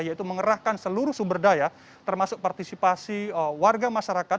yaitu mengerahkan seluruh sumber daya termasuk partisipasi warga masyarakat